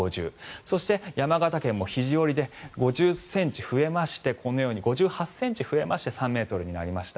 そして、山形県も肘折で５８ｃｍ増えましてこのように３ｍになりました。